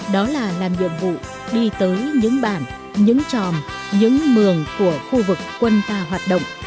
đó là làm nhiệm vụ đi tới những bản những tròm những mường của khu vực quân ta hoạt động